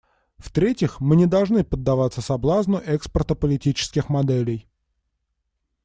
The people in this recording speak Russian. В-третьих, мы не должны поддаваться соблазну экспорта политических моделей.